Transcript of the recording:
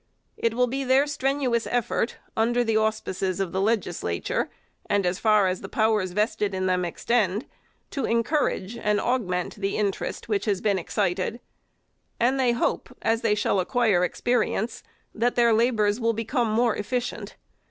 It will be their strenuous effort, under the auspices of the Legislature, and as far as the powers vested in them extend, to encourage and augment the interest which has been excited, and they hope, as they shall acquire experience, that their labors will become more efficient.